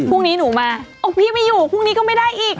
พรุ่งนี้หนูมาพี่ไม่อยู่พรุ่งนี้ก็ไม่ได้อีก